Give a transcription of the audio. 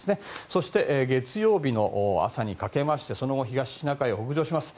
そして、月曜日の朝にかけまして東シナ海を北上します。